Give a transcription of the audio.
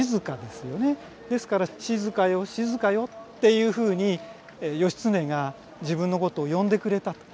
ですから「静よ静よ」っていうふうに義経が自分のことを呼んでくれたと。